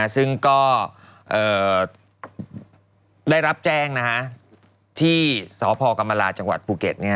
ซึ่งก็ได้รับแจ้งที่สพกรรมลาจังหวัดภูเก็ต